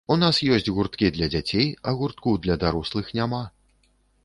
У нас ёсць гурткі для дзяцей, а гуртку для дарослых няма.